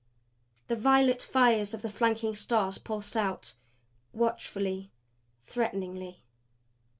The violet fires of the flanking stars pulsed out watchfully, threateningly.